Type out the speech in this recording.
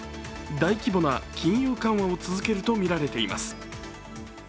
大規模な金融緩和を続けるとみられています。